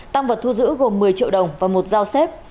tăng vật thu giữ gồm một mươi triệu đồng và một giao xếp